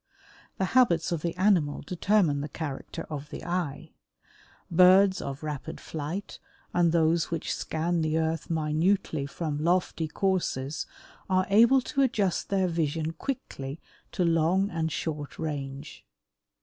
The habits of the animal determine the character of the eye. Birds of rapid flight and those which scan the earth minutely from lofty courses are able to adjust their vision quickly to long and short range.